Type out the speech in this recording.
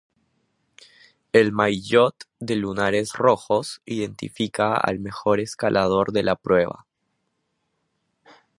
El maillot de lunares rojos identifica al mejor escalador de la prueba.